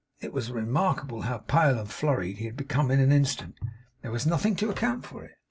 It was remarkable how pale and flurried he had become in an instant. There was nothing to account for it.